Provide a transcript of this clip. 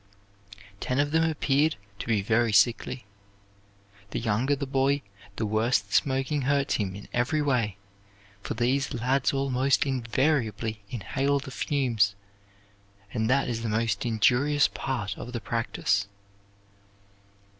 Ten of them appeared to be very sickly. The younger the boy, the worse the smoking hurts him in every way, for these lads almost invariably inhale the fumes; and that is the most injurious part of the practise."